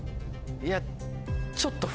いやちょっと。